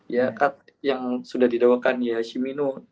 ya kan yang sudah didoakan ya hashimino